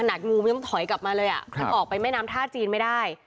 งูมันต้องถอยกลับมาเลยอ่ะมันออกไปแม่น้ำท่าจีนไม่ได้